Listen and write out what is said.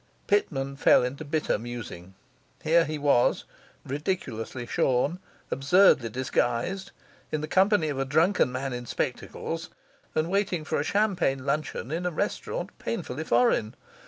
Pitman fell into bitter musing; here he was, ridiculously shorn, absurdly disguised, in the company of a drunken man in spectacles, and waiting for a champagne luncheon in a restaurant painfully foreign.